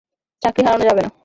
চাকরি হারানো যাবে না।